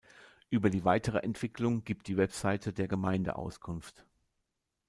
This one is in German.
Über die weitere Entwicklung gibt die Webseite der Gemeinde Auskunft.